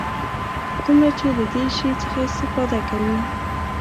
څومره چې له دې شي څخه استفاده کوي.